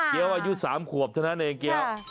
เกี๊ยวอายุ๓ขวบเท่านั้นเอง